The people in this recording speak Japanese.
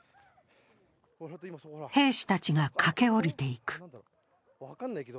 兵士たちが駆け下りていく。